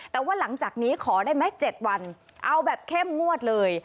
แต่ว่าหลังจากนี้ขอได้ไหม๗วันเอาแบบเข้มงวดเลย